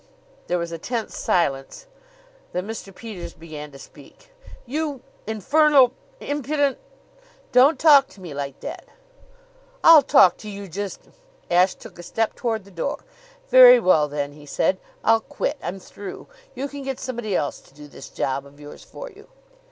There was a tense silence. Then Mr. Peters began to speak: "You infernal impudent " "Don't talk to me like that!" "I'll talk to you just " Ashe took a step toward the door. "Very well, then," he said. "I'll quit! I'm through! You can get somebody else to do this job of yours for you."